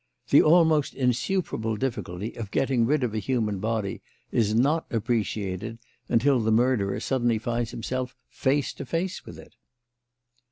The almost insuperable difficulty of getting rid of a human body is not appreciated until the murderer suddenly finds himself face to face with it.